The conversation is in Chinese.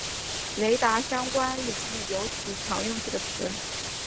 雷达相关领域尤其常用这个词。